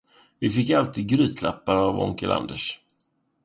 Vi fick alltid grytlappar av onkel Anders.